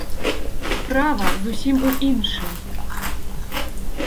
Справа зусім у іншым.